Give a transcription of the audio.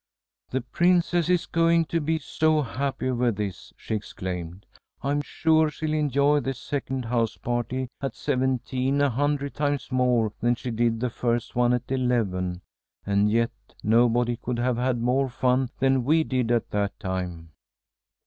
"The Princess is going to be so happy over this," she exclaimed. "I'm sure she'll enjoy this second house party at seventeen a hundred times more than she did the first one at eleven, and yet nobody could have had more fun than we did at that time."